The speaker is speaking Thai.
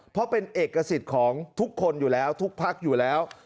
เพราะเป็นเอกสิทธิ์ของทุกคนอยู่แล้วทุกพักอยู่แล้ว